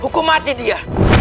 hukum mati dia